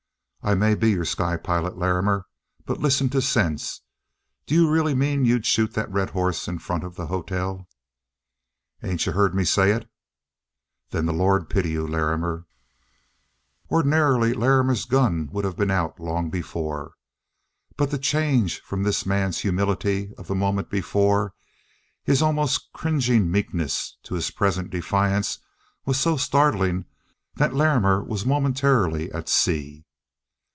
"I may be your sky pilot, Larrimer. But listen to sense. Do you really mean you'd shoot that red horse in front of the hotel?" "Ain't you heard me say it?" "Then the Lord pity you, Larrimer!" Ordinarily Larrimer's gun would have been out long before, but the change from this man's humility of the moment before, his almost cringing meekness, to his present defiance was so startling that Larrimer was momentarily at sea.